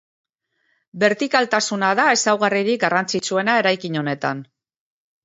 Bertikaltasuna da ezaugarririk garrantzitsuena eraikin honetan.